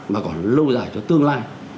mà còn lâu dài cho tương lai